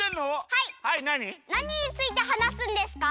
はいなにについてはなすんですか？